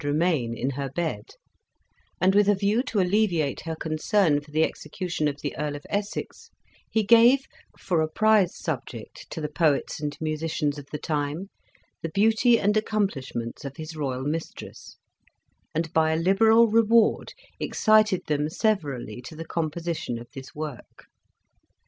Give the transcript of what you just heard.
remain in her bed ; and with a view to alleviate her concern for the execution of the Earl of Essex, he gave, for a prize subject to the poets and musicians of the time, the beauty and accomplishments of his royal mistress, and by a liberal reward excited them severally to the composition of this work.